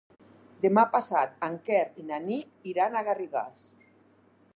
Demà passat en Quer i na Nit iran a Garrigàs.